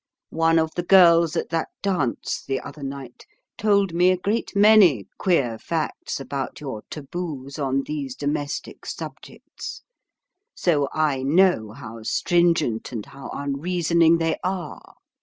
"One of the girls at that dance the other night told me a great many queer facts about your taboos on these domestic subjects; so I know how stringent and how unreasoning they are.